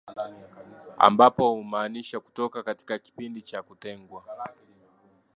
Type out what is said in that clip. ambapo humaanisha kutoka katika kipindi cha kutengwa